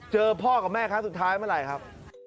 เจอพ่อกับแม่ครั้งสุดท้ายเมื่อไหร่ครับ